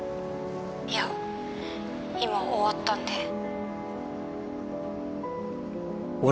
いや今終わったんで。